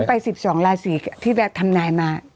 ฉันไปสิบสองราศรีที่แวดคำนาญมา